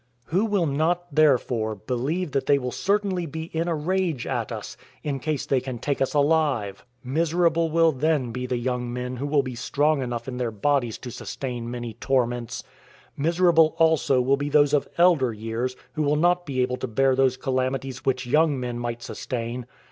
Who will not, therefore, believe that they will certainly be in a rage at us, in case they can take us alive? Miserable will then be the young men who will be strong enough in their bodies to sustain many torments! miserable also will be those of elder years, who will not be able to bear those calamities which young men might sustain!